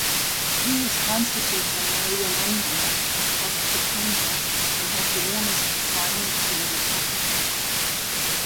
These constitute the Marielandia Antarctic tundra and have the warmest climate in Antarctica.